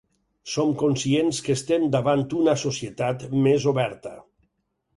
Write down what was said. Som conscients que estem davant una societat més oberta.